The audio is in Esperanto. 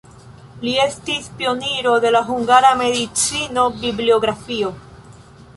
Li estis pioniro de la hungara medicino-bibliografio.